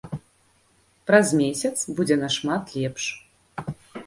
Праз месяц будзе нашмат лепш.